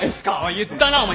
言ったなお前。